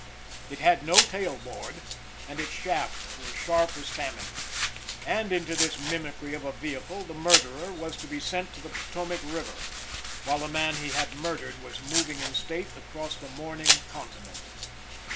It had no tail board, and its shafts were sharp as famine; and into this mimicry of a vehicle the murderer was to be sent to the Potomac river, while the man he had murdered was moving in state across the mourning continent.